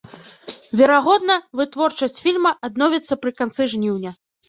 Верагодна, вытворчасць фільма адновіцца пры канцы жніўня.